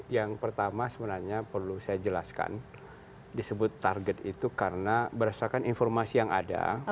yang pertama sebenarnya perlu saya jelaskan disebut target itu karena berdasarkan informasi yang ada